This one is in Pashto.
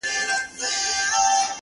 جارچي خوله وه سمه كړې و اعلان ته٫